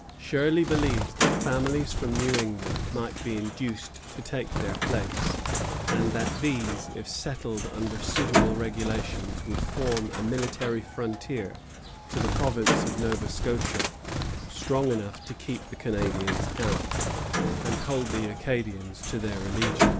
Shirley believes that families from New England might be induced to take their place, and that these, if settled under suitable regulations, would form a military frontier to the province of Nova Scotia "strong enough to keep the Canadians out," and hold the Acadians to their allegiance.